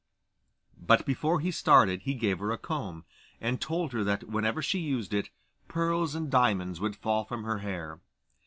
But before he started he gave her a comb, and told her that whenever she used it, pearls and diamonds would fall from her hair.